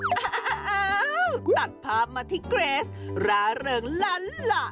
อ้าวตัดภาพมาที่เกรสร่าเริงล้านล่ะ